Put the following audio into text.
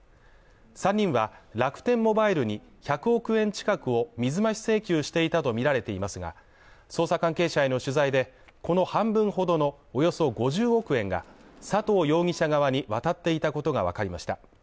３人は、楽天モバイルに１００億円近くを水増し請求していたとみられていますが、捜査関係者への取材で、この半分ほどのおよそ５０億円が佐藤容疑者側に渡っていたことがわかりました。